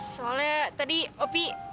soalnya tadi upi